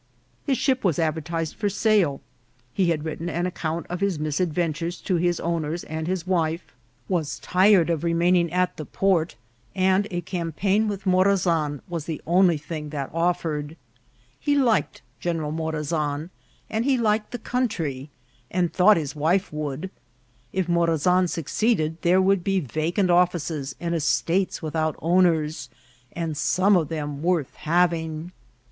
His ship was advertised for sale, he had written an account of his misadventures to his owners and his wife, was VOL. II.— F 42 INCIDENTS OF TRAVEL. tired of remaining at the port, and a campaign with Morazan was the only thing that offered. He liked General Morazan, and he liked the country, and thought his wife would ; if Morazan succeeded there would be vacant offices and estates without owners, and some of them worth having.